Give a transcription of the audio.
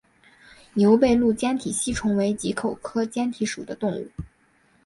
牛背鹭坚体吸虫为棘口科坚体属的动物。